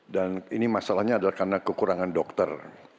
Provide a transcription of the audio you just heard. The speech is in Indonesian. dan ini masalahnya adalah karena kekurangan dokter